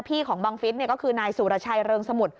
ของบังฟิศก็คือนายสุรชัยเริงสมุทร